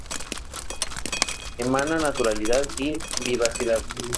Emana naturalidad y vivacidad.